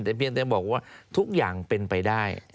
แต่เพียงแต่บอกว่าทุกอย่างเป็นไปได้